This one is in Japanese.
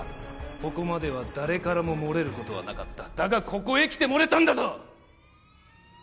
ここまでは誰からも漏れることはなかっただがここへ来て漏れたんだぞ！